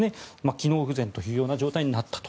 機能不全という状態になったと。